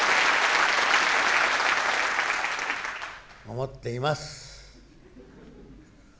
思っています！